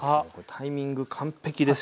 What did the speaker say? タイミング完璧ですよね。